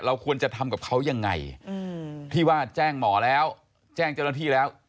ควรจะทำกับเขายังไงที่ว่าแจ้งหมอแล้วแจ้งเจ้าหน้าที่แล้ว